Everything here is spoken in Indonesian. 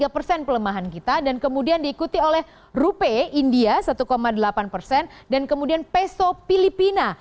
tiga persen pelemahan kita dan kemudian diikuti oleh rupe india satu delapan persen dan kemudian peso filipina